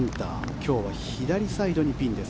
今日は左サイドにピンです。